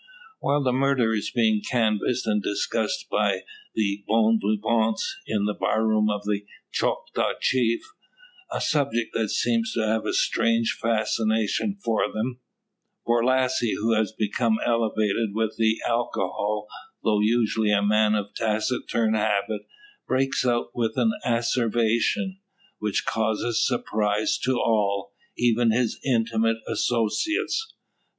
While the murder is being canvassed and discussed by the bon vivants in the bar room of the Choctaw Chief a subject that seems to have a strange fascination for them Borlasse, who has become elevated with the alcohol, though usually a man of taciturn habit, breaks out with an asseveration, which causes surprise to all, even his intimate associates.